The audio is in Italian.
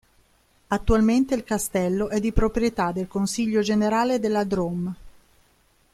Attualmente il castello è di proprietà del Consiglio Generale della Drôme.